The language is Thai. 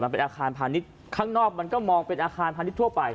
มันเป็นอาคารพาณิชย์ข้างนอกมันก็มองเป็นอาคารพาณิชย์ทั่วไป